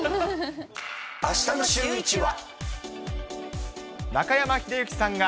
あしたのシューイチは。